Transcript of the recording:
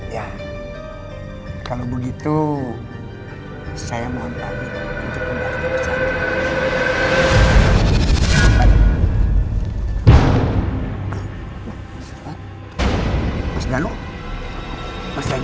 ya kalau begitu saya mohon pahit untuk membantu pesakit